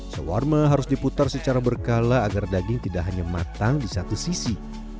sawarma harus diputar secara berkala agar daging tidak hanya matang di satu sisi